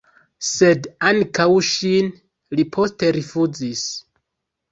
Sed ankaŭ ŝin li poste rifuzis.